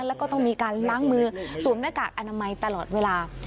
แล้วก็ต้องมีการล้างมือสวมหน้ากากอนามัยตลอดเวลา